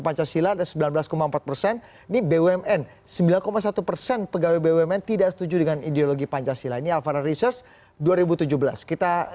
pancasila sembilan belas empat persen ini bumn sembilan satu persen pegawai bumn tidak setuju dengan ideologi pancasila ini alfara research dua ribu tujuh belas kita